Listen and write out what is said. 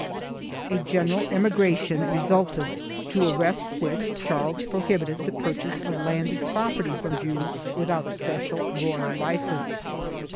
A general emigration resulted, to arrest which Charles prohibited the purchase of landed property from Jews without special royal license.